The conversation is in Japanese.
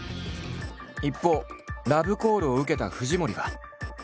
一方ラブコールを受けた藤森は。